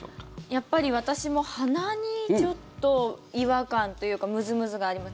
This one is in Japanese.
やっぱり私も鼻にちょっと違和感というかムズムズがあります。